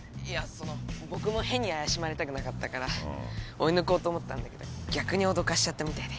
その僕も変に怪しまれたくなかったから追い抜こうと思ったんだけど逆に脅かしちゃったみたいで。